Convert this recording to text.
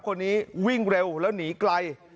คนนี้วิ่งเร็วแล้วหนีไกล